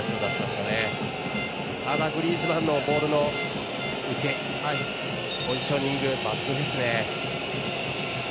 ただ、グリーズマンのボールの受けポジショニング、抜群ですね。